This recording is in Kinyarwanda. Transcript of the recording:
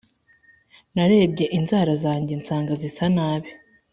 Narebye inzara zanjye nsanga zisa nabi